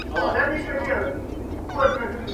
kitu kinachohusisha mfululizo wa hatua mbalimbali